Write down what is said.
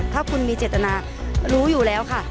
ถ้าคุณมีเจตนารู้อยู่แล้วค่ะ